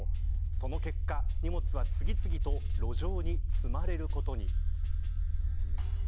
その結果、荷物は次々と路上に積まれることに。